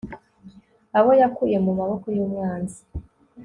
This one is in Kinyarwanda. abo yakuye mu maboko y'umwanzi